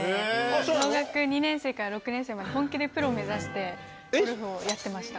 小学２年生から６年生まで本気でプロを目指してゴルフをやってました。